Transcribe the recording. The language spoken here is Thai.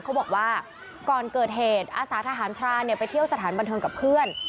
เขาบอกว่าก่อนเกิดเหตุอาสาทหารพรานไปเที่ยวสถานบันเทิงกับเพื่อน